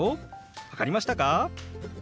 分かりましたか？